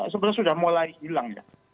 sebenarnya sudah mulai hilang ya